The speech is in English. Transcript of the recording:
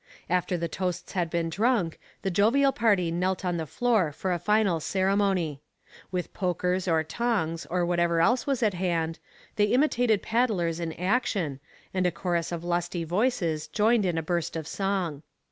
After the toasts had been drunk, the jovial party knelt on the floor for a final ceremony. With pokers or tongs or whatever else was at hand, they imitated paddlers in action, and a chorus of lusty voices joined in a burst of song.